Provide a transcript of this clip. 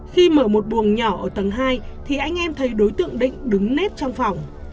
khi mở một buồng nhỏ ở tầng hai thì anh em thấy đối tượng định đứng nếp trong phòng